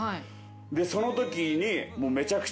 でそのときに。